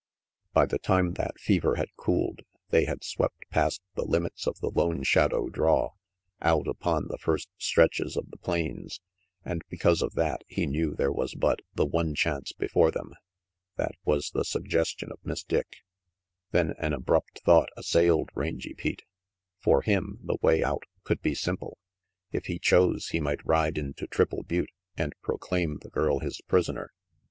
By the time that fever had cooled, they had swept past the limits of the Lone Shadow draw, out upon the first stretches of the plains, and because of that, he knew there was but lie one chance before them. That was the suggestion of Miss Dick. Then an abrupt thought assailed Rangy Pete. For him, the way out could be si iiple. If he chose, he might ride into Triple Butte and proclai n the girl his prisoner.